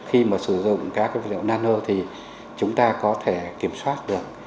khi mà sử dụng các vật liệu nano thì chúng ta có thể kiểm soát được